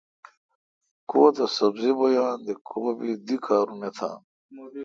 کوتو سبزی بویا تہ کو بی دی کارونی تھاں